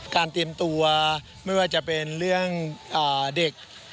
เตรียมตัวไม่ว่าจะเป็นเรื่องเด็ก